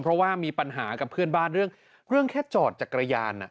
เพราะว่ามีปัญหากับเพื่อนบ้านเรื่องแค่จอดจักรยาน